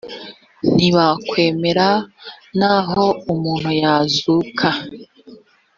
ntibakwemera naho umuntu yazuka